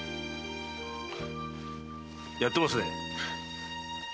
やってますね。